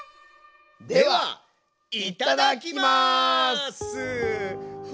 ではいただきます！